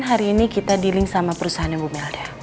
hari ini kita dealing sama perusahaannya bu melda